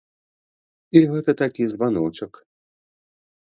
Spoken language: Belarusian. І гэта такі званочак.